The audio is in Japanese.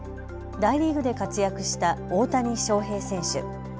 大リーグで活躍した大谷翔平選手。